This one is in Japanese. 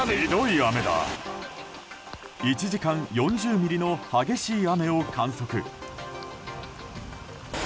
１時間４０ミリの激しい雨を観測。